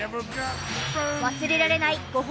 忘れられないうわ！